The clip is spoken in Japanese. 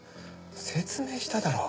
説明しただろ。